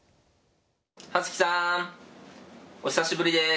葉月さん！お久しぶりです！